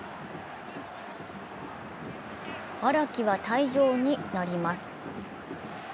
荒木は退場になります。